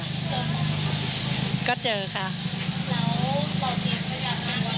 แล้วเราเตรียมกันอย่างไรบ้างค่ะ